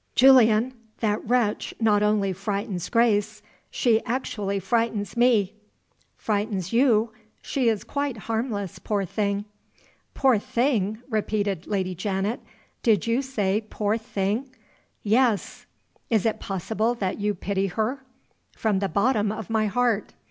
Julian! that wretch not only frightens Grace she actually frightens me." "Frightens you? She is quite harmless, poor thing." "'Poor thing'!" repeated Lady Janet. "Did you say 'poor thing'?" "Yes." "Is it possible that you pity her?" "From the bottom of my heart."